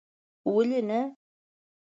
ولي نه